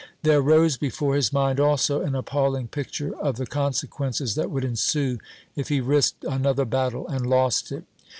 There rose he fore his mind also an appallmg picture of the con sequences that would ensue if he risked another battle and lost it.